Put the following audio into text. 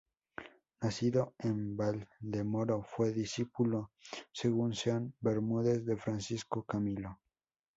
Nacido en Valdemoro, fue discípulo según Ceán Bermúdez de Francisco Camilo.